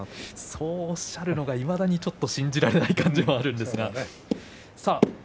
そうおっしゃるのはいまだに信じられない感じがしますけれども。